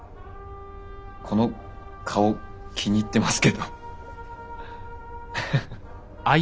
この顔気に入ってますけど。